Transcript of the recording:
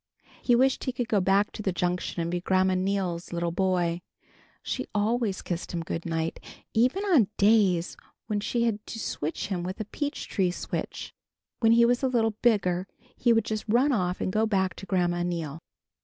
He wished he could go back to the Junction and be Grandma Neal's little boy. She always kissed him good night, even on days when she had to switch him with a peach tree switch. When he was a little bigger he would just run off and go back to Grandma Neal.